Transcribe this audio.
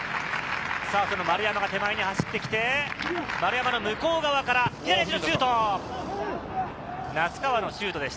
その丸山が手前に走ってきて、丸山の向こう側から、左足のシュート！